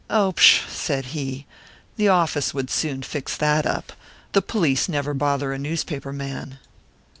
"Oh, pshaw!" said he. "The office would soon fix that up. The police never bother a newspaper man."